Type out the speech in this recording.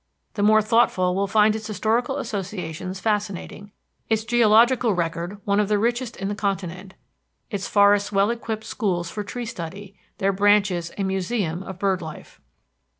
The more thoughtful will find its historical associations fascinating, its geological record one of the richest in the continent, its forests well equipped schools for tree study, their branches a museum of bird life.